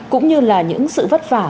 cũng như là những sự vất vả